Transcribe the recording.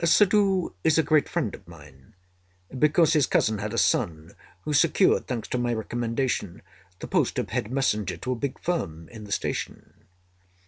Suddhoo is a great friend of mine, because his cousin had a son who secured, thanks to my recommendation, the post of head messenger to a big firm in the Station.